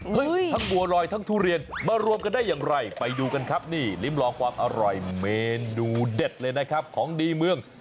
ทั้งบัวลอยทั้งทุเรียนมารวมกันได้อย่างไรไปดูกันครับนี่ลิ้มลองความอร่อยเมนูเด็ดเลยนะครับของดีเมือง